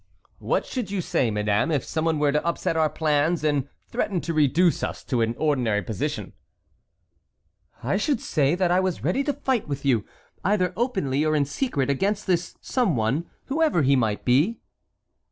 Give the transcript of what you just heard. "What should you say, madame, if someone were to upset our plans and threaten to reduce us to an ordinary position?" "I should say that I was ready to fight with you, either openly or in secret, against this someone, whoever he might be."